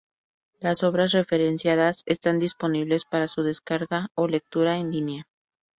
Las obras referenciadas están disponibles para su descarga o lectura en línea.